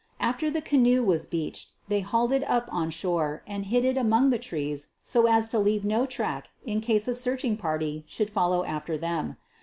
After the canoe was beached they hauled it up on shore and hid it among the trees so as to leave no track in case a searching party should follow after them.